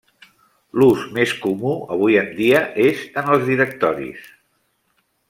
L'ús més comú avui en dia és en els directoris.